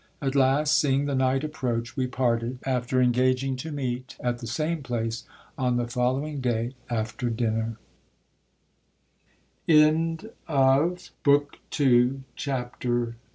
At last, seeing the night approach, we parted, after engaging to meet at the same place on the following day after dinner. Ch. IV.